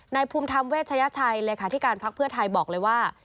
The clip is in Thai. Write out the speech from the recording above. ภูมิธรรมเวชยชัยเลขาธิการพักเพื่อไทยบอกเลยว่า